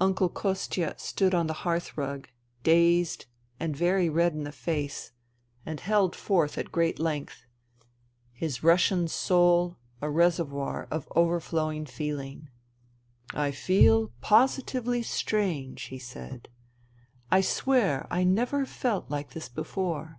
Uncle Kostia stood on the hearth rug, dazed and very red in the face, and held forth at great length : his Russian soul a reservoir of overflowing feeling, " I feel positively strange," he said. " I swear I never felt like this before.